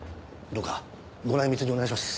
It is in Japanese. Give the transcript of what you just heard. どうかご内密にお願いします。